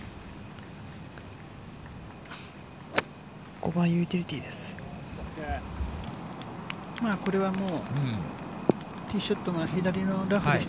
５番ユーティリティーです。